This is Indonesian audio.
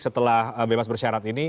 setelah bebas bersyarat ini